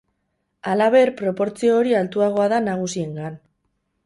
Halaber, proportzio hori altuagoa da nagusiengan.